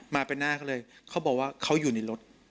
มาเป็นหน้าเขาเลยเขาบอกว่าเขาอยู่ในรถ